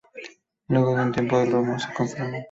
Luego de un tiempo, el rumor se confirmó.